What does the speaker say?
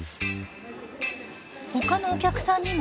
ほかのお客さんにも。